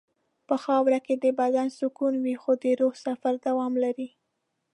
په خاوره کې د بدن سکون وي خو د روح سفر دوام لري.